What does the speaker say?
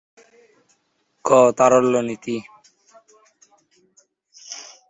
ক. তারল্য নীতি